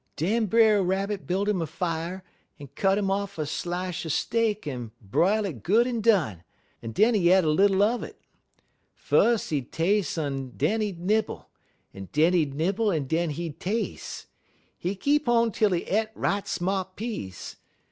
"Den Brer Rabbit built 'im a fier un cut 'im off a slishe er steak un br'ilte it good un done, un den he e't little uv it. Fus' he'd tas'e un den he'd nibble; den he'd nibble un den he'd tas'e. He keep on tel he e't right smart piece.